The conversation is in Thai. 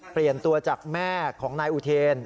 เปลี่ยนตัวจากแม่ของนายอุเทน